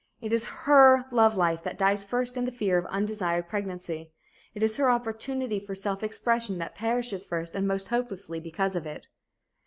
It is her love life that dies first in the fear of undesired pregnancy. It is her opportunity for self expression that perishes first and most hopelessly because of it.